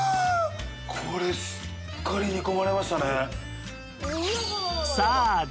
これしっかり煮込まれましたね。